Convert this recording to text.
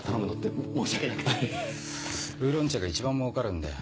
ウーロン茶が一番もうかるんだよ。